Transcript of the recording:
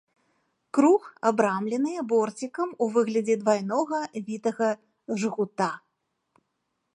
Круг абрамлены борцікам у выглядзе двайнога вітага жгута.